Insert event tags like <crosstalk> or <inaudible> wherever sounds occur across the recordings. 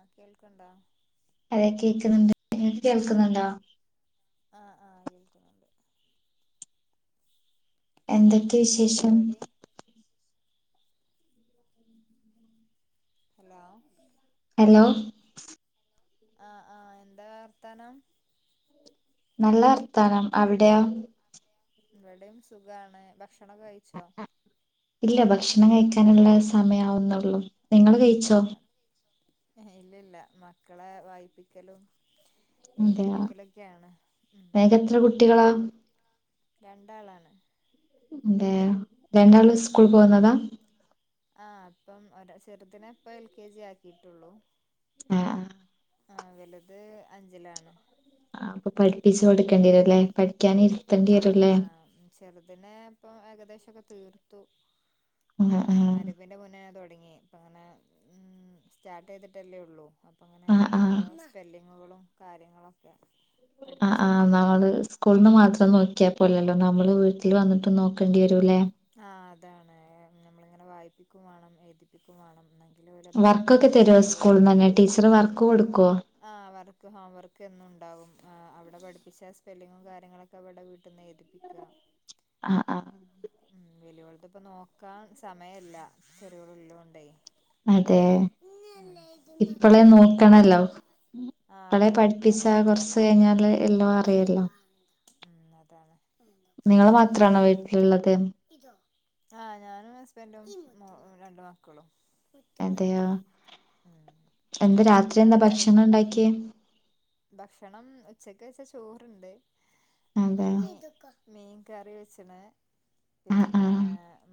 ആ കേൾക്കുണ്ടോ അതേ കേക്കുന്നുണ്ട് <inaudible> കേൾക്കുന്നുണ്ടോ? ആ ആ കേൽക്കുന്നുണ്ട്. എന്തൊക്കെ വിശേഷം? പരിപാടി ഹലോ ഹലോ ആ ആ എന്താ വർത്താനം നല്ല വർത്താനം അവിടെയാ? ഇവിടേം സുഖാണ് ഭക്ഷ ണം കഴിച്ചോ? ഇല്ല ഭക്ഷണം കഴിക്കാനുള്ള സമയമാവുന്നുള്ളൂ. നിങ്ങള് കഴി ച്ചോ ഇല്ലില്ല മക്കളെ വായിപ്പിക്കലും അതെയാ എഴുതിപ്പിക്കലൊക്കെയാണ് ഉം നിക്ക് എത്ര കുട്ടികളാ? രണ്ടാളാണ് അതെയാ രണ്ടാള് ഉം സ്കൂൾ പോകുന്നതാ? ആഹ് അപ്പം ഒ ചെറുതിനെ ഇപ്പ എൽ കെ ജി ആക്കിട്ടുള്ളൂ. ആ ഹ് ആഹ് വലുത് അഞ്ചിലാണ്. ആഹ് അപ്പൊ പഠിപ്പിച്ച് കൊടുക്കേണ്ടി വരും അല്ലേ? ആഹ് ആഹ് ചെറുതിനെ ഇപ്പൊ ഏകദേശം ഒക്കെ തീർത്തു. ആ ആ ആഹ് ആരപ്പിന്റെ മുന്നേ ഞാൻ തോ ങ്ങി അപ്പം ങ്ങനെ ഉം സ്റ്റാർ്ട്ടെയ്തിട്ടല്ലേ ഉള്ളൂ അങ്ങനെ ആ ആ ഓരോ സോഅല് ങ്ങളും കാര്യങ്ങളോക്കെ ആഹ് ആഹ് ന്നാള് സ്കൂളന്ന് മാ നോക്കിയപ്പോല്ലോ നമ്മൾ വീട്ടിൽ വന്നിട്ട് നോക്കേണ്ടി രൂലെ ആ അതാണ് നമ്മളിങ്ങനെ വായിപ്പിക്കും വേണം ഏഴിതിപ്പിക്കും വേണം എന്ന വർക്കൊക്കെ തരോ സ്കൂൾന്ന്ന്നെ ടീച്ചർ വർക്ക് കൊടു ആഹ് വർ ക്ക് ഹോംവർക്ക് എന്നുണ്ടാവും ആഹ് അവിടെ പഠിപ്പിച്ച സ്പെല്ലിങ്ങും കാര്യങ്ങളൊക്കെവടെ വീട്ടിന്നെയ്തിപ്പിക്കാ ഹാ ആഹ് ന്ന് വലിയോൾത്പ്പ നോക്കാൻ സമയല്ല ചെറിയോളുള്ളോണ്ടേ അതെ ഇപ്പളെ നോക്കണല്ലോ ആഹ് ഇപ്പളേ അതാണ്പ്പളേ പഠിപ്പിച്ചാ കൊറച്ച് നോക്കണല്ലോ കഴിഞ്ഞാല് എല്ലാം അറിയല്ലോ ഉം അതാണ് നിങ്ങള് മാത്രാണോ വീട്ടിലുള്ളത് ആ ഞാനും ഹസ്ബന്റും മോ രണ്ടു മക്കളും അതെയോ ഉം എന്താ രാത്രി എന്താ അവിടെ ആര് ഭക്ഷണണ്ടാക്കിയേ ഭക്ഷണം ഉച്ചക്ക് വെച്ച ചോറ്ണ്ട് പിന്നെ അതെയോ മീ മീൻ കറി വെച്ച്ണ് ആഹ് ആഹ് പിന്നെ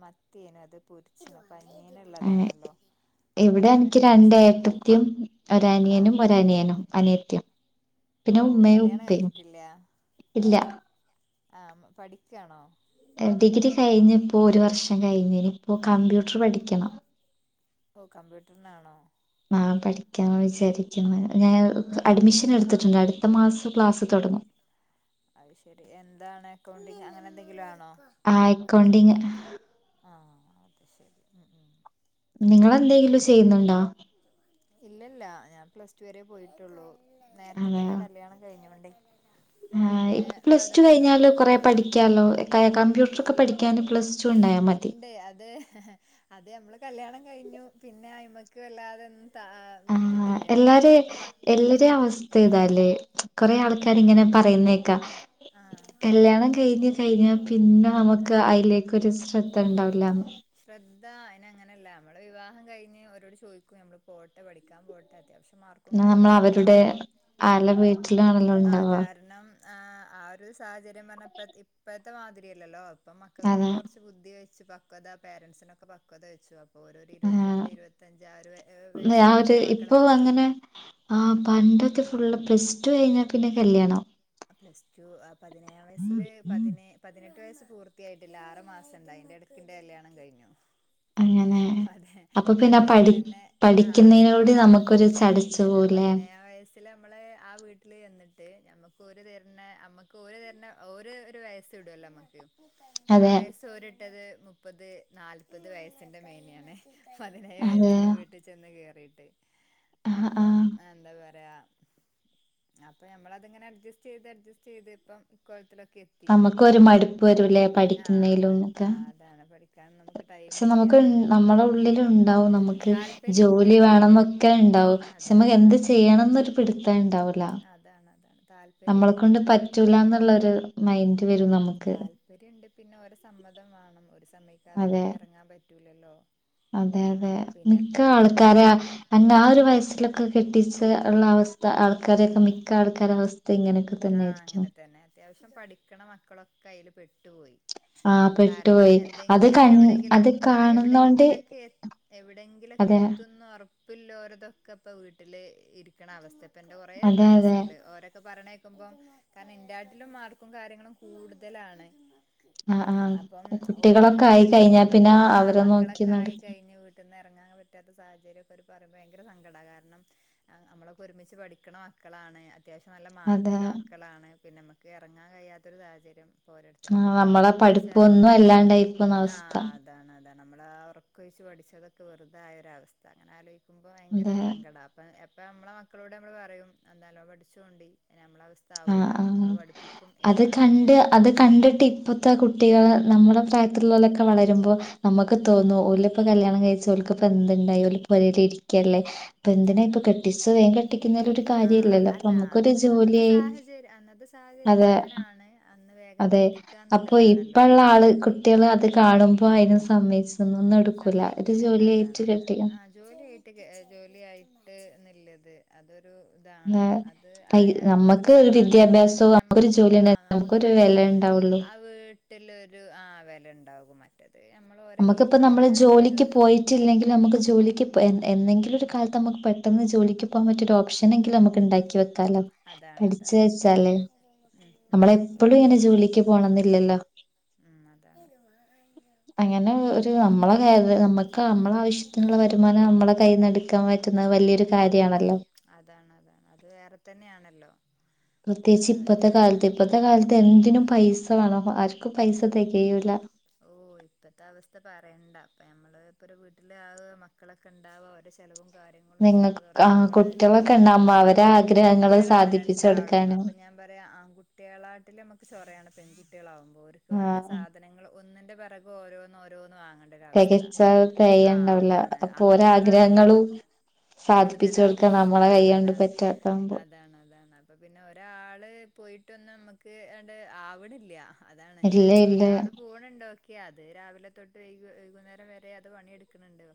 മത്തിയേന് അത് പൊര്ച്ച്ണ് പനീന്ള്ളതാണല്ലോ ഇവിടെന്ക്ക് രണ്ടേട്ടത്ത്യും ആഹ് ഒരനിയനും ഒരനിയനും അനിയത്ത്യും ഓ പിന്നെ ഉമ്മയും കല്യാണം ഉപ്പയും കഴിഞ്ഞിട്ടില്ല ഇല്ല ആ പഠിക്കാണോ? കയ്ഞ്ഞ്പ്പോ ഒരു വർഷം കയ്ഞ്ഞ്നി ഇപ്പൊ കമ്പ്യൂട്ടർ പഠിക്കണം ഓ കമ്പ്യൂട്ട്ർനാണോ? ആ പഠിക്കാ വിചാരിക്ക്ന്ന് ഞാൻ അഡ്മിഷനെട്ത്ത്ട്ട്ണ്ട് അട്ത്ത മാസം ക്ലാസ് തൊടങ്ങും അത് ശരി എന്താണ് അക്കൗണ്ടിങ് അങ്ങനെ എന്തെങ്കിലും ആണോ അ അക്കോണ്ടിങ് ആഹ് അത് ശരി ഉ ഉ നിങ്ങളെന്തെങ്കിലും ചെയ്യുന്നുണ്ടോ ഇല്ലല്ല ഞാൻ പ്ലസ് ടു വരെ പോയിട്ടുള്ളൂ നേരത്തെ തന്നെ കല്യാണം കഴിഞ്ഞുണ്ടേ ഹാ ഇപ്പ പ്ലസ് ടു കഴിഞ്ഞാല് കൊറെ പഠിക്കാലോ കമ്പ്യൂട്ടർ ഒക്കെ പഠിക്കാന് പ്ലസ് ടു ഉണ്ടായാ മതി ഉണ്ട് അത് ഹാ ഹാ അതെ നമ്മള് കല്യാണം കഴിഞ്ഞു പിന്നെ അയ്‌മക്ക് വല്ലാതെ ആ എല്ലാരും എല്ലര അവസ്ഥ ഇതാല്ലേ കൊറെേ ആഹ് ആൾക്കാരി അതാണ് ഇങ്ങനെ പറയുന്നേക്കാ ആഹ് കല്യാണം കഴിഞ്ഞു കഴിഞ്ഞ പിന്നെ നമുക്ക് അതിലേക്കൊരു ശ്രദ്ധ ത് ണ്ടാവില്ലന്ന് ശ്രദ്ധ അയിന അങ്ങനെയല്ല നമ്മള് വിവാഹം കഴിഞ്ഞ് ഒരോട് ചോദിക്ക നമ്മള് പോട്ടെ പഠിക്കാൻ പോട്ടെ അത്യാവശ്യം മാർക്കും ന്നാ കാര്യങ്ങളൊക്കെ നമ്മളവരുടെ ഉണ്ടാവുമ്പം ആളെ ആഹ് വീട്ട്ലാണല്ലൊണ്ടാവ കാരണം ആഹ് ആ ഒരു സാഹചര്യം പറഞ്ഞപ്പ ഇപ്പഴത്തെ മാതിരിയല്ലല്ലോ ഇപ്പൊ മക്കക്കൊക്കെ അതെ കൊർച്ച് ബുദ്ധിവെ ച്ച് പക്വത പേരൻസിനൊക്കെ പക്വത വെച്ചു ഓരോരു ഇരുപത്തിരണ്ട് ഇരുപത്തഞ്ച് ആ ഒരു വയ- ആ ഒരു വയസ്സിലേക്കല്ലേ ഇപ്പൊ മക്കളെപ്പ കെട്ടിക്ക അങ്ങനെ ആ ഉം പണ്ടൊക്കെ ഫുള്ള് പ്ലസ് ടു കഴിഞ്ഞ പിന്നെ കല്യാണം പ്ലസ്റ്റു പതിനേഴാം വയസില് പതിനേ പതിനെട്ട് വയസ്സ് പൂർത്തിയായിട്ടില്ല ആറ് മാസം ഇണ്ട് അതിന്റെ ഇടക്കിന്റെ കല്യാണം കഴിഞ്ഞു അങ്ങനെ അതെ അപ്പൊ പിന്നെ പതിനേഴിൽ പഠി തന്നെ ആ അതിൽ ആ പഠിക്കുന്നതിനോട് പ നമുക്കൊരു ചടച്ചു ഇല്ലല്ല പോവുല്ലേ പതിനേഴാം വയസ് ൽ നമ്മള് ആ വീട്ടില് ചെന്നിട്ട് നമ്മുക്ക് ഓര് തരണ നമ്മക്ക് ഓര് തരണ ഓരോ ഒരു വയസ് ഇടല്ലോ നമ്മക്ക് ആ അതെ വയസ്സോരിട്ടത് മുപ്പത് നാല്പത് വയസ് ന്റെ കഴിഞ്ഞയാന്നെ പതിനേഴു അതെ വയസ്സില് വീട്ടി ചെന്ന് കേറി ആഹ് അപ്പം ആഹ് എന്താ പറയാ അപ്പം ഞമ്മളത്ങ്ങനെ അഡ്ജസ്റ്റ് ചെയ്ത് അഡ്ജസ്റ്റ് ചെയ്ത് ഇപ്പം ഇക്കോലത്തിലെ നമുക്ക് ഒരു മടുപ്പ് വരൂല്ലേ ആ പഠിക്കുന്നതിലും മടുപ്പ് ആ ഒക്കെ അതാണ് പഠിക്കാൻ നമുക്ക് പക്ഷെ ടൈമില്ല നമുക്ക് നമ്മുടെ ഉള്ളിൽ ഉണ്ടാവും നമുക്ക് താല്പര്യണ്ട് ജോലി വേണം പിന്നെ എന്നൊക്കെ ഉണ്ടാവും പക്ഷെ അതാണ് നമുക്ക് താ എന്ത് ചെയ്യണംന്ന് പിടുത്തം ഇണ്ടാവൂല താല്പര്യം ഇണ്ട് പിന്നെ എന്നുള്ളൊരു മൈൻഡ് വരും നമുക്ക് താല്പര്യം ഇണ്ട് പിന്നെ ഓരെ സമ്മതം വാണം ഓര് സമ്മയ് അല്ലാതെ അതെ നമുക്ക് എറങ്ങാൻ പ അതെ അതെ മിക്ക പിന്നെപ്പം ഇപ്പൊ ആൾക്കാരെ ഉം എന്നെ ആ ഒരു വയസ്സിലൊക്കെ കെട്ടിച്ച് ഉള്ള അവസ്ഥ ആൾക്കാരക്ക മിക്ക ആൾക്കാര അവസ്ഥ ഇങ്ങനെയൊക്കെ ആ തന്നെ ആയിരിക്കും അങ്ങനെ തന്നെ അത്യാവശ്യം പഠിക്കണ മക്കളൊക്കെ അയില് പെട്ടുപോയി ആഹ് കാരണം പെട്ടുപോയി അത് എന്തെങ്കിലൊക്കെ കൺ എവിടെങ്കിലും അത് ആ കാണുന്നോണ്ട് എവിടെങ്കിലും ഒക്കെ എവിടെങ്കിലും ഒക്കെ അതെ എത്തുംന്ന് ഒർപ്പ് ഇപ്പ ല്ലോരതൊക്കെ ഇപ്പ വീട്ടില് ഇരിക്കണ അവസ്ഥ ഇപ്പ എന്റെ കൊറേ അതെ ഫ്രണ്ട്സ് അതെ ഉണ്ട് ഒരൊക്കെ പറണെ കാരണം ഇന്റാട്ടിലും മാർക്കും കാര്യങ്ങളും കൂടുതലാണ് ആ ഉം ആ അപ്പം ഓരൊക്കെ കുട്ടികളൊക്കെ ഇങ്ങനെ ആയി വീട്ടിൽ കഴിഞ്ഞാ പിന്നെ ആഹ് അവര് നോക്കി മക്കളൊക്കെ നട ആയി കഴിഞ്ഞ് വീട്ടിൽന്ന് ഇറങ്ങാൻ പറ്റാത്ത സാഹചര്യം ഒക്കെ ഓര് പറയുമ്പോ ഭയങ്കര സങ്കടമാണ് കാരണം നമ്മളൊക്കെ ഒരുമിച്ച് പഠിക്കണ മക്കളാണ് അത്യാവശ്യം നല്ല മാർ അതെ മക്കളാണ് പിന്നെ മ്മക്ക് ഇറങ്ങാൻ കഴിയാത്ത ഒരു സാഹചര്യം ഇപ്പോ ഓരോരുത്തർ ആ ഇപ്പം നമ്മളെ വന്ന് വെച്ചാല് പഠിപ്പൊന്നും എല്ലാണ്ടായി പോന്ന അവസ്ഥ ആഹ് അതാണ് അതാണ് ആ ഉറക്കൊഴിച്ച് പഠിച്ചതൊക്കെ വെറുതായ ഒരവസ്ഥ അങ്ങനെ ആയാല് ക്കുമ്പോ ഭയങ്കര അതെ സങ്കടാണ് അപ്പ അപ്പ നമ്മളെ മക്കളോട് നമ്മള് പറയും എന്താ നല്ലോം പഠിച്ചോണ്ടെ നമ്മളത് ആ ആ അത് കണ്ട് ഏത് അത് കണ്ടിട്ട് ഇപ്പത്തെ കുട്ടികള് നമ്മളെ പ്രായത്തിലുള്ളലൊക്കെ വളരുമ്പോ നമുക്ക് ഉം തോന്നും ഓലൊക്കെ ഇപ്പോ കല്യാണം കഴി ഓല്ക്ക് ഇപ്പന്തുണ്ടായി ഓല് പെരേല് ഇരിക്കല്ലേ ഇപ്പൊ എന്തിനാ അതാ ഇപ്പൊ കെട്ടിച്ച് കെട്ടിക്കുന്നേല് ഒരു കാര്യ ആഹ് ഇല്ലല്ലോ അല്ല നമുക്കൊരു അന്ന് അന്നത്തെ ജോലിയായി സാഹചര്യം അന്നത്തെ സാഹചര്യം അതെ അങ്ങനാണ് അന്ന് വേഗം അതെ കിട്ടിക്ക അപ്പൊ എന്നുള്ളതാണല്ലോ ഇപ്പള്ള ആള് കുട്ടികൾ അത് കാണുമ്പോ അയിനും സമ്മയിച്ച് സമ്മയ്ക്ക്‌ണില്ല അതാണ് കെട്ടി അതാണ് ആ ജോലിയായിട്ട് ജോലിയായി ന്ന്ള്ളത് അത് ഇതാണ് ആ, അത് പൈ ആയാൽ നമുക്കൊരു നമ്മക്ക് ഒരു സമാധാനമാണ് വിദ്യാഭ്യാസവും മ്മ നമുക്കൊരു ജോലി ആ ഉണ്ട നമുക്കൊരു നമക്ക് വില ഉണ്ടാവുള്ളൂ ആ വീ ഒരു ആ വെല ണ്ടാവും മറ്റത് നമ്മൾ ഓരോ നമുക്ക് കീഴിൽ അപ്പോം നമ്മള് ഇങ്ങനെ ഒരു ജോലിക്ക് പോയിട്ടില്ലെങ്കി നമുക്ക് ജോലിക്ക് എന്നെങ്കിലും ഒരു കാലത്ത് നമുക്ക് പെട്ടെന്ന് ജോലിക്ക് പോകാൻ പറ്റിയൊരു ഓപ്ഷനെങ്കിലും നമുക്ക് ഇണ്ടാക്കി വ ലോ അതാണ് പഠിച്ച അതാണ് വച്ചാലേ ഉം നമ്മള ഉം എപ്പോഴും ഇങ്ങനെ ജോലിക്ക് പോണംന്നില്ലല്ലോ. ഉം അതാണ് അങ്ങനെ അതാണ് ഒരു നമ്മളെ ക നമുക്ക് നമ്മളെ ആവശ്യത്തിനുള്ള വരുമാനം നമ്മള കൈ കയ്ന്നെടുക്കാ പറ്റുന്നത് വലിയൊരു കാര്യണല്ലോ. അതാണ് അതാണ് അത് വേറെ തന്നെയാണല്ലോ. പ്രത്യേകിച്ച് ഏഹ് ഇപ്പത്തെ കാലത്ത് ഞമ്മള് ഇപ്പത്തെ കാലത്ത് എന്തിനും പൈസ വേണോ ആ ക്ക് പൈസ തെകയൂല്ല. ഓ ഇപ്പത്തെ അവസ്ഥ പറയണ്ട അപ്പ നമ്മള് ഇപ്പൊ ഒരു വീട്ടില ആക മക്കളൊക്കെ ഉണ്ടാവ ഓര ചെലവും കാര്യങ്ങളും സ്കൂള് നിങ്ങൾക്ക് ആ തുറക്കുമ്പോള് കുട്ടികളൊക്കെ ഉണ്ടാവുമ്പോ ആ അവരെ ആഗ്രഹങ്ങള് പെൺകുട്ടികളാണ് രണ്ടാളും സാധിപ്പിച്ചെടുക്കാന് അപ്പൊ ഞാൻ പറയാ ആൺകുട്ടികളാട്ടില് നമ്മുക്ക് ചൊറാണ് പെൺകുട്ടിളാവും. ഓര്ക്ക് വേണ്ട ആഹ് സാധനങ്ങളും ഒന്നിന്റെ പിറക ഓരോന്ന് ഓരോന്ന് വാങ്ങ അവസ്ഥ തികച്ച ആ തികയുണ്ടാവില്ല അതാണ് അപ്പൊ ഓരോ ആൺകുട്ടികളാണെങ്കി നമ്മ ആഗ്രഹങ്ങളും സാധിപ്പിച്ചു കൂടുതലാകും കൊടുക്കാൻ നമ്മളെ കൈകൊണ്ട് അതാണ് പറ്റാത്താവുമ്പോ അതാണ് അതാണ്. പിന്നെ ഒരാള് പോയിട്ടൊന്നും നമുക്ക് അണ്ട് ആവണില്ല. ഇല്ല ഇല്ല. ഫണണ്ടോ ഓക്കെ അത് രാവിലെ തൊട്ട് വൈക വൈകുന്നേരം വരെ അത് പണിയെടുക്കുന്നുണ്ട്.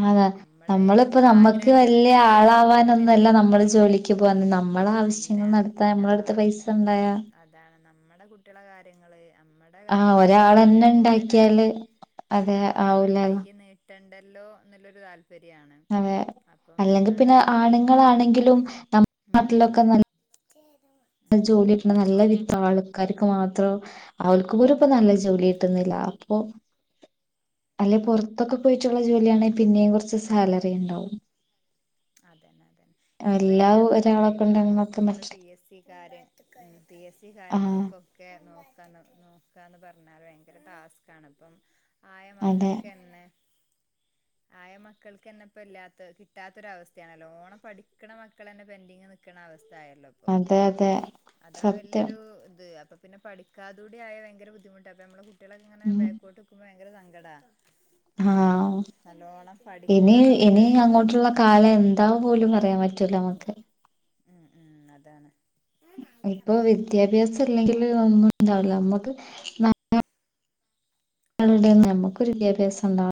ആഹ് ഞമ്മള് നമ്മളിപ്പോ ഞമ്മളെ നമ്മക്ക് വലിയ ആഗ്രഹങ്ങൾക്കനുസരിച് കിട്ട്ണില്ല ആളാവാനൊന്നുമല്ല നമ്മള് ജോലിക്ക് പോകുന്നത് നമ്മളെ അല്ല ആവശ്യങ്ങൾ നടത്താൻ നമ്മളടുത്ത് പൈസ ഉണ്ടായാ അതാണ് നമ്മടെ കുട്ടികളെ കാര്യങ്ങള് നമ്മടെ കാര്യ ആഹ് ഒരാളന്നെ ഇണ്ടാക്കിയാല് അതെ ആവൂല. ണ്ടല്ലോ നല്ലൊ താല് അതെ അല്ലെങ്കി പിന്ന ഏഹ് പിന്നെയും ആണുങ്ങളാണെങ്കിലും നമ്മുടെ ഉം നാട്ടിലൊക്കെ നല്ല ജോലി കിട്ട നല്ല വിധ ആൾക്കാർക്ക് മാത്രം അവൾക്ക് പോലും ഇപ്പ നല്ല ജോലി കിട്ടുന്നില്ല. അപ്പൊ അല്ലെ പുറത്തക്കെ പോയിട്ടുള്ള അതെ ജോലിയണെ പിന്നേം കൊറച്ച് സാ സാലറി ഇണ്ടാവും. അതെന്നെ അതന്നെ ഇപ്പൊ അയ്ൻ ഞാൻ പറഞ്ഞല്ലേ ഒരാളൊക്കെ ഇപ്പ ഇപ്പോ ഉണ്ടെന്നൊക്കെ നമ്മ മറ്റ P S C P S C ആഹ് കാര്യങ്ങൾക്കൊക്കെ നോക്കാ നോക്കന്ന് പറ ഭയങ്കര ടാസ്ക് ആണ് ഇപ്പം. ആയ അതെ മക്കൾക്ക്ന്നെ ആയ മക്കൾക്ക്ന്നെപ്പോ ഇല്ലാത്ത് കിട്ടാത്തൊരവസ് ക്കാണ് നല്ലോണം പഠിക്കണ മക്കളെന്നെ പെൻഡിങ് നിക്കണ അവസ് തായല്ലോ ഇപ്പോ. അതെ അതെ അതാണ് സത്യം വല്യൊരു ഇത് അപ്പോ പിന്നെ പഠിക്കാതൂടായാ ഭയങ്കര ബദ്ധമുട്ടാപ്പോ ഞമ്മള് കുട്ട്യളിങ്ങനെ ഉം ബാക്കോട്ട്ക്ക്മ്പോ ഭയങ്കര സങ്കടാ ആഹ് നല്ലോണം ഇനി പഠിക്കണം ഇനി എന്നുള്ളതേ അങ്ങോട്ടുള്ള കാലം എ താ പോലും പറയാൻ പറ്റൂല അമ്മക്ക് മ് മ് അതാണ് ഇപ്പ വിദ്യാഭ്യാസം ഇല്ലെങ്കില് ഒന്നും ഇണ്ടാവില്ല മ്മക്ക് <unintelligible> <unintelligible> നമ്മക്കൊരു വിദ്യാഭ്യാസണ്ടാ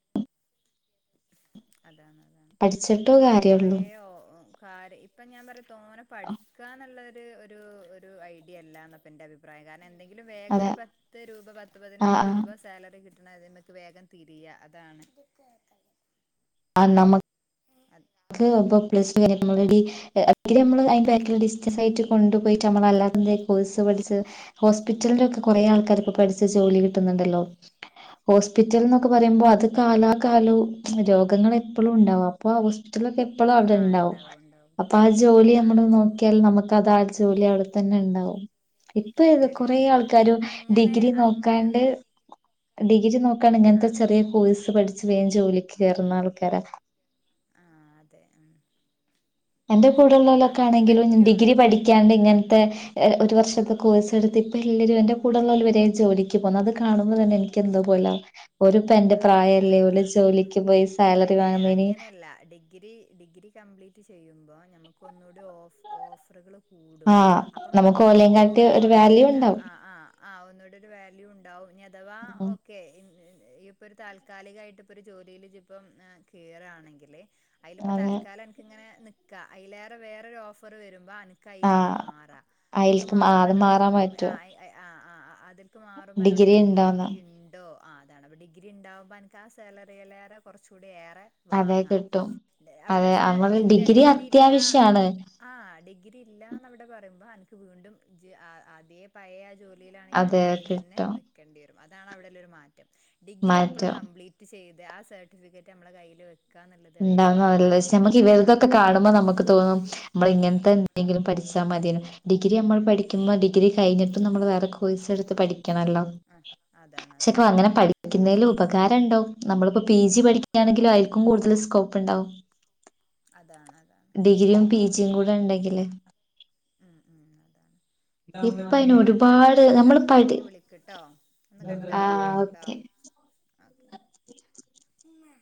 അതാണ് <unintelligible> പഠിച്ചിട്ടോ ഇപ്പയിന് കൊറെ കാര്യള്ളൂ ഓ ഓ കാല് ഇപ്പ ഞാന് പറിയ അ തോനെ പഠിക്കാന്നുള്ളൊരു ഒരു ഒരു ഐഡ്യല്യാന്നാപ്പന്റെ അഭിപ്രായം. കാരണം എന്തെ തിലും വേഗം അതെ ഒരു പത്ത് രൂപ പത്ത് ആഹ് പതിനഞ്ച് ആഹ് രൂപ സാലറി കി ണ് അത് മ്മ്ക്ക് വേഗം തിരിയാ. അതാണ് ആ നമ്മ അത് ന്ക്ക് ഒമ്പതെ ഏ പ്ലസ് <inaudible> നമ്മള് അയിന്റെ ഭാഗില് ലിസ്റ്റ് <unintelligible> കൊണ്ടു പോയിട്ട് നമ്മളാ <unintelligible> കോഴ്‌സ് പഠിച്ച് ഹോസ്പിറ്റല്ലൊക്കെ കുറേ ആൾക്കാർക്ക്‌ ഉം പഠിച്ച് ജോലി കിട്ടുന്നുണ്ടല്ലോ. ഹോസ് പിറ്റല്ന്നൊക്കെ ഉം പറയുമ്പോ അത് ഉം ഉം കാലാ കാലോ രോ ക്ക് ഇങ്ങളെപ്പളും ഉണ്ടാവും അപ്പൊ ആ ഉം ഹോസ്പിറ്റലൊക്കെ എപ്പളും ആ അവിടെണ്ടാവും ഇണ്ടാവും ഇണ്ടാവും അപ്പൊ ആ ജോലി ആ നമ്മള് ഇണ്ടാവും നോക്കിയാല് നമ്മക്കതാ ആ ജോലി അവി തന്നെണ്ടാവും ഇപ്പോ ഇത് കൊറെേ ശരിയാണ് ശരിയാണ് ആൾക്കാരും അങ്ങനെ ഡിഗ്രി നോക്കാണ്ട് അങ്ങനെ ഡിഗ്രി നോ ക്കാണെ ആ ഇങ്ങനത്തെ ചെറ്യെ കോഴ്സ് പഠി ളച്ച് വേം ജോലിക്ക് കേ മൂന്നാൾക്കാരാ ആഹ അതെ അ എന്റെ കൂടെള്ളോലൊക്കെ ആണെങ്കിലും ഡിഗ്രി പഠിക്കാണ്ട് ഉം ഉം ഇങ്ങനത്തെ ഒരു വർഷത്തെ കോഴ്സ് ഉം എടുത്ത് ഇപ്പ എല്ലരും എന്റെ കൂടെള്ളോല് വരെ ജോലിക്ക് പോണ് അത് കാണുമ്പോൾ തന്നെ നിക്ക് എനിക്കെന്തൊ ആ പോല ഒരുപ്പ എന്റെ ആ പ്രായല്ലേ ഓര് പോലെ ജോലിക്ക് പോയി സാലറി അയിന് വാങ്ങുന്നീന് റ്റ് ചെയ്യുമ്പോ നമുക്കൊന്നൂടി ഓഫ് ഓഫറുകള് കൂടും ആഹ് അപ്പം നമുക്ക് ഇപ്പം ഓലേം കാട്ടി പോകണ ഒരു വാല്യൂ മാതിരിയല്ല ഉണ്ടാവും ആ ആ ആഹ് ഒന്നൂട ഒരു വാല്യൂ ഇണ്ടാവും നി അഥവാ ഉം ഓ ക്കെ ഇപ്പൊ ഒരു താൽക്കാലികയിട്ട് ഇപ്പൊ ഒരു ജോലിയില് ഇപ്പം കേറാണെങ്കില് അതിലിപ്പം അതെ താൽക്കാലം അനക്ക് ഇങ്ങനെ നിക് ക്ക അയിലേറെ വേറൊരു ഓഫർ വരും അന്ക്ക് അയ്ക്ക് ആഹ് മാറാ അയ്ക്ക് അയിൽക്ക് ആഹ് മാറുമ്പോ അത് അന്നോട് മാറാൻ ചോദിക്കും അ പറ്റുവോ ആ ആ ആ അതിൽക്ക് മാറുമോ ആന്നോട് ഡിഗ്രി ചോയ്ക്കും ഉണ്ടോന്ന് ഡിഗ്രി ഇൺ ഓ അ അതാണ് ഡിഗ്രി ഇണ്ടാവുമ്പ ആ സാലറീലേറെ കൊറച്ചൂ ഏറെ അതെ വാങ്ങ കിട്ടും അവിടെ അതെ സേ നമ്മള് ഇതില്ലെ ഡിഗ്രി ഇല്ല അത്യാവശ്യാണ് ആ ഡിഗ്രി ഇല്ലാന്നവിടെ പറയുമ്പോ വീണ്ടും ജ് അ അതേ പഴേ യാ ജോലി ജോലിയിലാണെങ്കിൽ ആ അതെ ജോലീൽ തന്നെ കിട്ടും നിക്കേണ്ടി വരും അതാണ് അവിടെല്ലാരും മാൻ ഡിഗ്രി എപ്പളും മാറ്റം കംപ്ലീറ്റ് ചെയ് ആ സർട്ടിഫിക്കറ്റ് നമ്മടെ കയ്യില് വെക് ഇണ്ടാവോംന്നല്ലേ പക്ഷേ നമക്ക് ആ ഇവരുതൊക്കെ ആ കാണുമ്പോ നമുക്ക് തോന്നും നമ്മള് ഇങ്ങനത്തെ ഉം എന്തെങ്കിലും പഠിച്ചാൽ മതിയാര്ന്ന് ഡിഗ്രി നമ്മൾ ഉം പഠിക്കുമ്പോ ഡിഗ്രി കഴിഞ്ഞിട്ട് നമ്മൾ വേറെ കോഴ്സ് എടുത്ത് പഠി ക്കണല്ലോ ആ അതാണ് പക്ഷേക്ക അതാണ് അങ്ങനെ പഠിക്കുന്നതിൽ പക്ഷെ ഉപകാരം ണ്ടാകും നമ്മളിപ്പോ പി ജി പഠിക്കുകണെങ്കില് അതിൽക്കും കൂടുതല് സ് കോപ്പുണ്ടാവും അതാണ് അതാണ് പി ജിയും കൂടെ ഇണ്ടെങ്കില് ഉം ഉം അതാണ് ഇപ്പ ശരിയാണ് അയിന് ഒന്ന് കട്ടാക്കി ഒരുപാട് നമ്മള് കട്ടാക്കി പഠി വിളിക്ക്ട്ടോ ഒന്ന് ആ കട്ടാക്കി വിളിക്ക്ട്ടോ ഓക്കെ അ ഇമ്മ